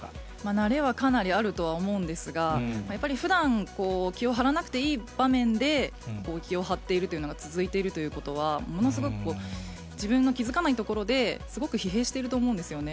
慣れはかなりあるとは思うんですが、やっぱりふだん、気を張らなくていい場面で、気を張っているというのが続いているということは、ものすごく自分の気づかない所ですごく疲弊していると思うんですよね。